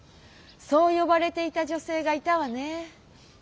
そうよばれていた女性がいたわね。